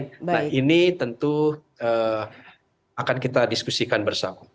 nah ini tentu akan kita diskusikan bersama